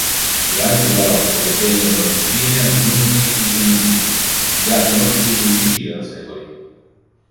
Durante il barocco vennero infine aggiunti i canditi, già conosciuti in Sicilia da secoli.